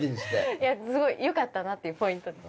いやすごいよかったなっていうポイントです。